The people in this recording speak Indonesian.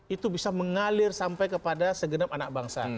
itu bisa mengalir sampai kepada segenap anak bangsa